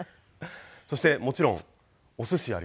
そしてもちろんおすしあります。